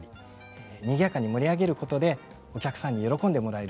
賑やかに盛り上げることでお客さんに喜んでもらえる。